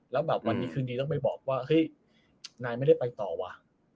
แล้วแบบวันนี้คืนนี้ต้องไปบอกว่าเฮ้ยนายไม่ได้ไปต่อว่ะ